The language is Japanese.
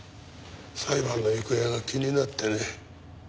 裁判の行方が気になってね。